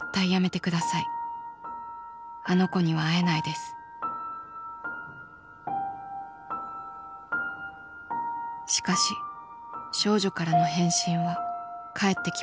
しかし少女からの返信は返ってきませんでした。